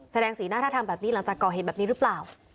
แสดงสีหน้าท่าทางแบบนี้หลังจากก่อเหตุแบบนี้หรือเปล่า